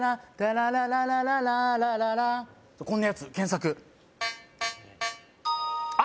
こんなやつ検索あ